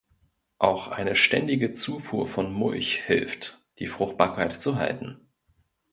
Auch eine ständige Zufuhr von Mulch hilft, die Fruchtbarkeit zu halten.